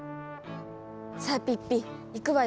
さあピッピ行くわよ。